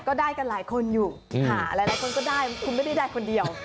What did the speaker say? ก็ได้กันหลายคนอยู่หลายคนก็ได้คุณไม่ได้ได้คนเดียว